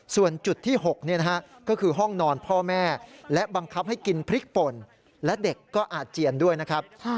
ส่วนจุดที่๖ก็คือห้องนอนพ่อแม่และบังคับให้กินพริกป่นและเด็กก็อาเจียนด้วยนะครับ